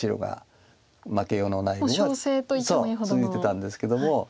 続いてたんですけども。